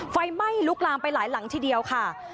ไฟไหม้ลุกลามไปหลายหลังทีเดียวค่ะ